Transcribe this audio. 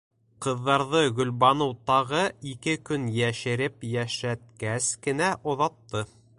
Ҡыҙҙарҙы Гөлбаныу тағы ике көн йәшереп йәшәткәс кенә оҙатты.